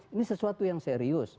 ini sesuatu yang serius